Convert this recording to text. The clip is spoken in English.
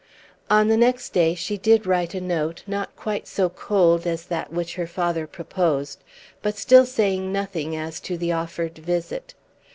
On the next day she did write a note, not quite so cold as that which her father proposed, but still saying nothing as to the offered visit.